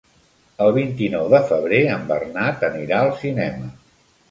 El vint-i-nou de febrer en Bernat anirà al cinema.